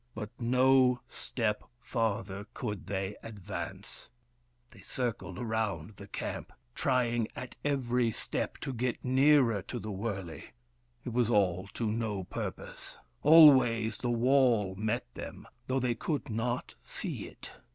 But no step farther could they advance. They circled about the camp, trying at every step to get nearer to the wurley. It was all to no purpose : always the wall met them, though they could not see it.